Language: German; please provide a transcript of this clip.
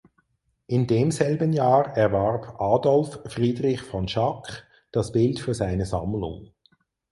In demselben Jahr erwarb Adolf Friedrich von Schack das Bild für seine Sammlung.